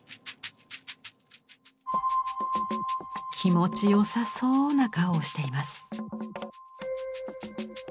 気持ちよさそうな顔をしています。